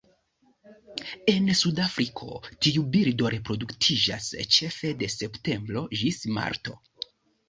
En Sudafriko, tiu birdo reproduktiĝas ĉefe de septembro ĝis marto.